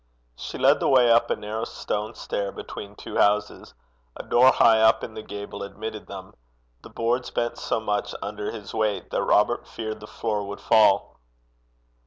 She led the way up a narrow stone stair between two houses. A door high up in the gable admitted them. The boards bent so much under his weight that Robert feared the floor would fall.